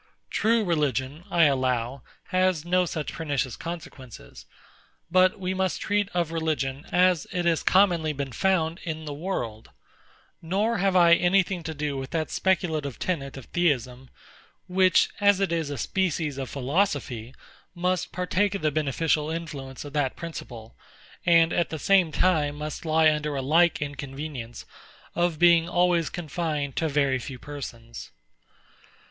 True religion, I allow, has no such pernicious consequences: but we must treat of religion, as it has commonly been found in the world; nor have I any thing to do with that speculative tenet of Theism, which, as it is a species of philosophy, must partake of the beneficial influence of that principle, and at the same time must lie under a like inconvenience, of being always confined to very few persons.